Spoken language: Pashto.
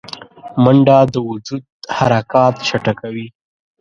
منډه د وجود حرکات چټکوي